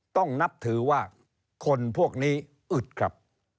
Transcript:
ต้องนับถือว่าคนพวกนี้อึดครับ